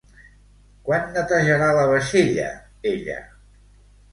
Quan netejarà la vaixella ella?